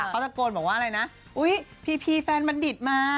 เขาตะโกนบอกว่าอะไรนะอุ๊ยพีพีแฟนบัณฑิตมา